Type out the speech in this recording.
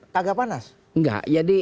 kagak panas enggak jadi